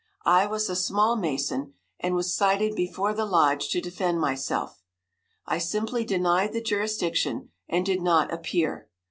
I was a small Mason, and was cited before the lodge to defend myself. I simply denied the jurisdiction, and did not appear.